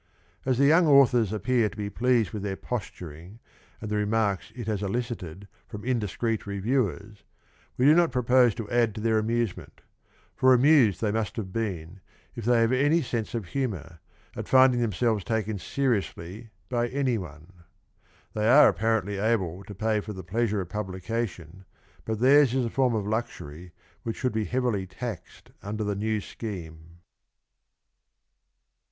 As the young authors appear to be pleased with their posturing and the remarks it has elicited from indiscreet reviewers, we do not propose to add to their amusement ; for amused they must have been if they have any sense of humour, at finding themselves taken seriously by anyone. They are apparently able to pay for the pleasure of publica tion, but theirs is a form of luxury which should be heavily taxed under the new scheme.